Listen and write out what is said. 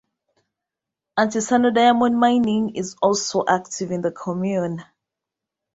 Artisanal diamond mining is also active in the commune.